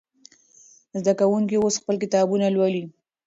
زده کوونکي اوس خپل کتابونه لولي.